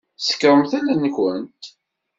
Ṣekkṛemt allen-nkent.